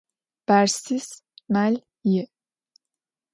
Bersis mel yi'.